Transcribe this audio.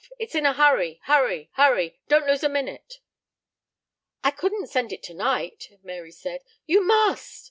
It's in a hurry, hurry, hurry. Don't lose a minute." "I couldn't send it to night," Mary said. "You must."